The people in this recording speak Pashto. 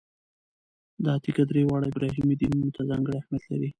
دا تیږه درې واړو ابراهیمي دینونو ته ځانګړی اهمیت لري.